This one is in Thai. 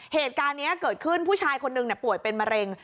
เหตุการณ์นี้เกิดขึ้นผู้ชายคนหนึ่งป่วยเป็นมะเร็ง